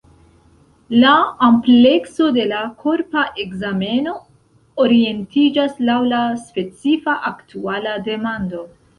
La amplekso de la korpa ekzameno orientiĝas laŭ la specifa aktuala demando.